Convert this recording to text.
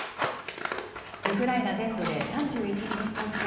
ウクライナ全土で３１日早朝